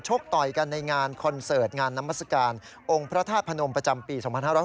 กต่อยกันในงานคอนเสิร์ตงานนามัศกาลองค์พระธาตุพนมประจำปี๒๕๖๒